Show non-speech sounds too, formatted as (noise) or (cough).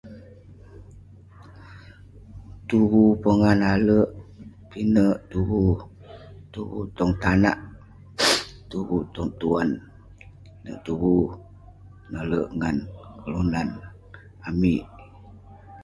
Tuvu pongah nalek. Pineh tuvu. Tuvu tong tanak, (noise) tuvu tong tuan, neh tuvu nalek ngan kelunan...amik.